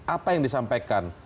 apa yang disampaikan